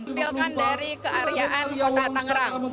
ditampilkan dari kearyaan kota tanggerang